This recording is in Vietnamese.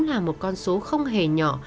và là một con số không hề nhỏ